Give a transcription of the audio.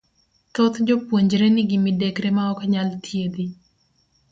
Thoth jopuonjre nigi midekre maok nyal thiedhi,